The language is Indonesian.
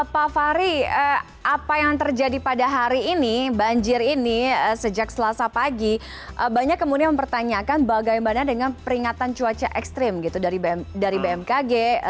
pak fahri apa yang terjadi pada hari ini banjir ini sejak selasa pagi banyak kemudian mempertanyakan bagaimana dengan peringatan cuaca ekstrim gitu dari bmkg